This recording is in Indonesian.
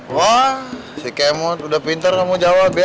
wah si kemot udah pintar ngomong jawab ya